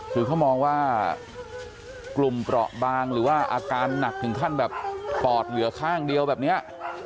คือเขามองว่ากลุ่มเปราะบางหรือว่าอาการหนักถึงขั้นแบบปอดเหลือข้างเดียวแบบนี้